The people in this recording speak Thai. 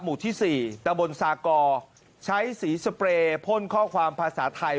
หมู่ที่๔ตะบนซากอใช้สีสเปรย์พ่นข้อความภาษาไทย